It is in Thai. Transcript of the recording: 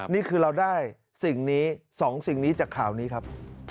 นี่คือเราได้สิ่งนี้๒สิ่งนี้จากข่าวนี้ครับ